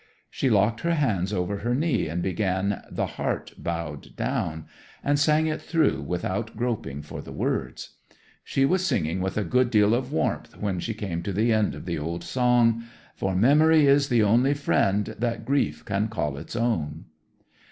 She locked her hands over her knee and began "The Heart Bowed Down," and sang it through without groping for the words. She was singing with a good deal of warmth when she came to the end of the old song: "_For memory is the only friend That grief can call its own.